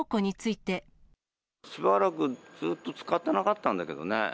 しばらくずっと使ってなかったんだけどね。